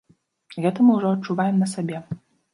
Гэта мы ўжо адчуваем на сабе.